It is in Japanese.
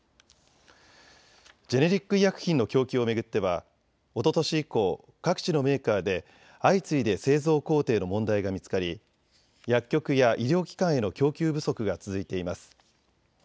ジェネリック医薬品の供給を巡ってはおととし以降、各地のメーカーで相次いで製造工程の問題が見つかり薬局や医療機関への供給不足が続いています。